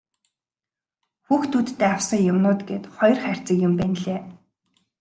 Хүүхдүүддээ авсан юмнууд гээд хоёр хайрцаг юм байнлээ.